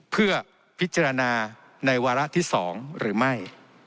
เพื่อพิจารณาในวาระที่๒หรือไม่